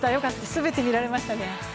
全て見られましたね。